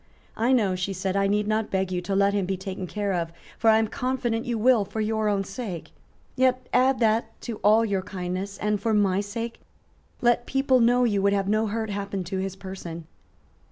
"I know," she said, "I need not beg you to let him be taken care of; for I am confident you will for your own sake; yet add that to all your kindness; and, for my sake, let people know you would have no hurt happen to his person."